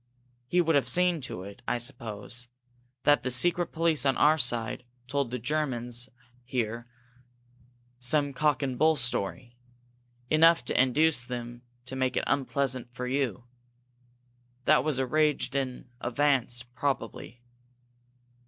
"He would have seen to it, I suppose, that the secret police on our side told the Germans here some cock and bull story enough to induce them to make it unpleasant for you. That was arranged in advance probably.